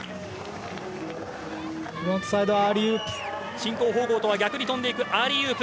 進行方向とは逆に飛んでいくアーリーウープ。